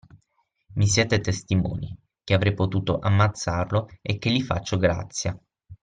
Mi siete testimoni, che avrei potuto ammazzarlo e che gli faccio grazia